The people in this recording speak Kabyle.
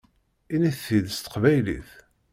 Init-t-id s teqbaylit!